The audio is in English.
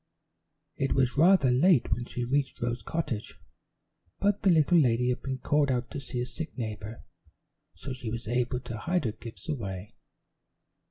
It was rather late when she reached Rose Cottage, but the little lady had been called out to see a sick neighbor, so she was able to hide her gifts away.